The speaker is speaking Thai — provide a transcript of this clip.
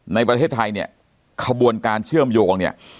ในประเทศไทยเนี่ยขบวนการเชื่อมโยงเนี่ย